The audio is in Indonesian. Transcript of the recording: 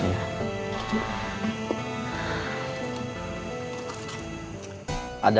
sebentar ya mas saya cek dulu